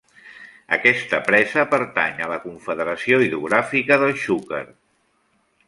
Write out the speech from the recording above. Aquesta presa pertany a la Confederació Hidrogràfica del Xúquer.